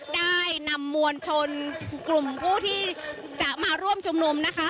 ได้นำมวลชนกลุ่มผู้ที่จะมาร่วมชุมนุมนะคะ